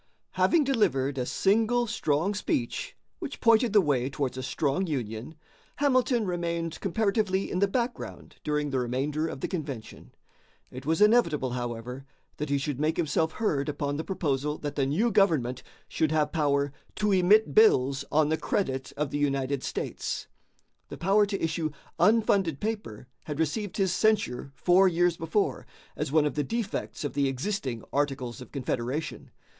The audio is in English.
Having delivered a single strong speech, which pointed the way towards a strong union, Hamilton remained comparatively in the background during the remainder of the convention. It was inevitable, however, that he should make himself heard upon the proposal that the new government should have power "to emit bills on the credit of the United States." The power to issue unfunded paper had received his censure four years before, as one of the defects of the existing Articles of Confederation.